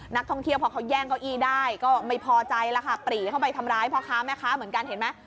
นักท่องเที่ยวพอเขาแย่งเก้าอี้ได้ก็ไม่พอใจแล้วค่ะปรีเข้าไปทำร้ายพ่อค้าแม่ค้าเหมือนกันเห็นไหม